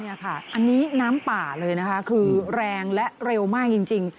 นี่ค่ะอันนี้น้ำป่าเลยนะคะคือแรงและเร็วมากจริง